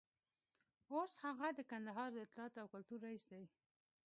اوس هغه د کندهار د اطلاعاتو او کلتور رییس دی.